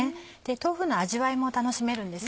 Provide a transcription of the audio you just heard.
豆腐の味わいも楽しめるんです。